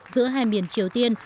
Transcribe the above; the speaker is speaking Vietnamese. giữa hai miền triều tiên